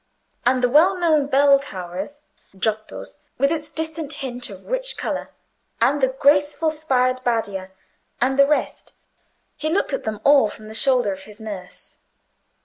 And the well known bell towers—Giotto's, with its distant hint of rich colour, and the graceful spired Badia, and the rest—he looked at them all from the shoulder of his nurse.